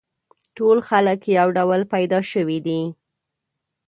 ټول خلک یو ډول پیدا شوي دي.